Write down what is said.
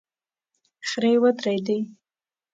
خرې ودرېدې.